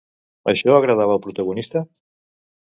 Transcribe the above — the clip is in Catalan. Això agradava al protagonista?